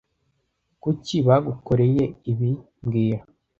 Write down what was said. Kuki bagukoreye ibi mbwira